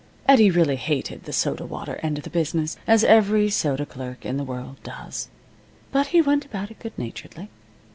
Eddie really hated the soda water end of the business, as every soda clerk in the world does. But he went about it good naturedly.